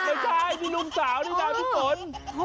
ไม่ใช่มีลูกสาวนี่นะพี่ฝน